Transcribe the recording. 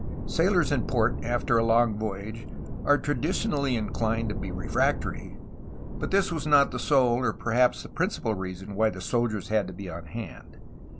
Sailors in port after a long voyage are traditionally inclined to be refractory, but this was not the sole or perhaps the principal reason why soldiers had to be on hand.